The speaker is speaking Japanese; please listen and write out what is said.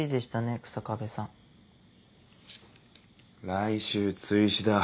来週追試だ。